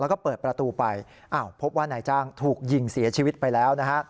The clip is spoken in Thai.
แล้วก็เปิดประตูไปอ้าวพบว่านายจ้างถูกยิงเสียชีวิตไปแล้วนะฮะ